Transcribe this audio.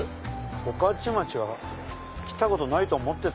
御徒町来たことないと思ってた。